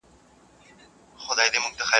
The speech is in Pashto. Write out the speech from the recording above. o د سرو پېزوانه گړنگو زوړ کړې.